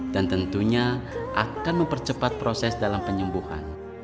dan tentunya akan mempercepat proses dalam penyembuhan